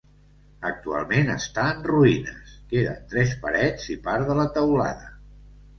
Actualment està en ruïnes, queden tres parets i part de la teulada.